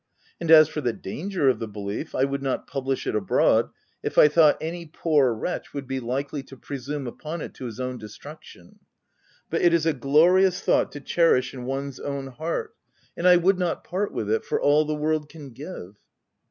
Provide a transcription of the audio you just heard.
And as for the danger of the belief, I would not publish it abroad, if I thought any poor wretch would be likely to presume upon it to his own destruction, but it is a glorious thought to cherish in one's own heart, and I 14 THE TENANT would not part with it for all the world can give